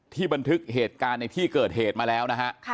บันทึกเหตุการณ์ในที่เกิดเหตุมาแล้วนะฮะ